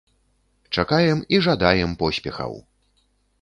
Чакаем і жадаем поспехаў!